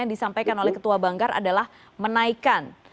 yang disampaikan oleh ketua banggar adalah menaikkan